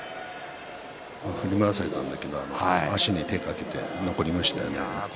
振り回されたんだけれどもまわしに手を掛けて残りましたね。